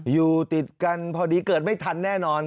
อยู่ติดกันพอดีเกิดไม่ทันแน่นอน